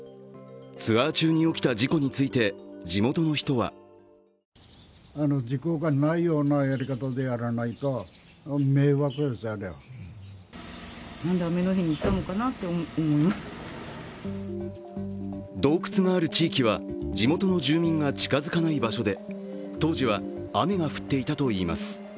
ツアー中に起きた事故について地元の人は洞窟がある地域は地元の住民が近づかない場所で当時は雨が降っていたといいます。